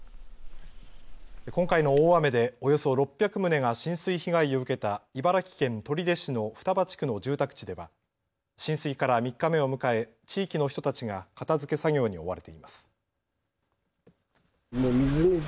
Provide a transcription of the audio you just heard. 今回の大雨でおよそ６００棟が浸水被害を受けた茨城県取手市の双葉地区の住宅地では浸水から３日目を迎え地域の人たちが片づけ作業に追われています。